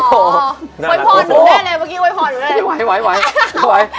เผ้าไว้พอหนูได้เลย